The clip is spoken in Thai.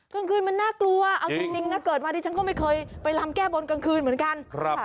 กลางคืนมันน่ากลัวเอาจริงนะเกิดมาดิฉันก็ไม่เคยไปลำแก้บนกลางคืนเหมือนกัน